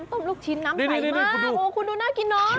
น้ำต้มลูกชิ้นน้ำใสมากโอ้คุณดูน่ากินน้อง